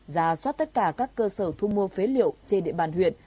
giả soát tất cả các cơ sở thu mua phế liệu trên địa bàn huyện